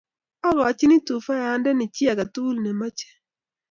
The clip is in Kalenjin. agochini tufayandeni chi age tugul ne mochei